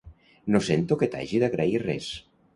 No sento que t'hagi d'agrair res.